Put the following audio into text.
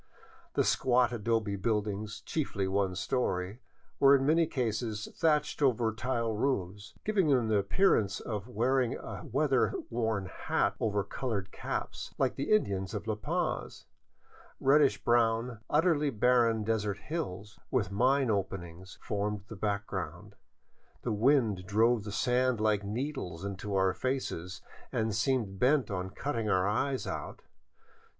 The squat adobe buildings, chiefly one story, were in many cases thatched over tile roofs, giving them the appearance of wearing a weather worn hat over colored caps, like the Indians of La Paz. Reddish brown, utterly barren desert hills, with mine openings, formed the background. The wind drove the sand like needles into our faces and seemed bent on cutting our eyes out.